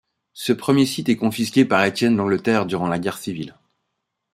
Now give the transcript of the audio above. Ce premier site est confisqué par Étienne d'Angleterre durant la guerre civile.